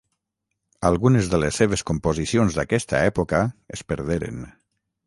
Algunes de les seves composicions d'aquesta època es perderen.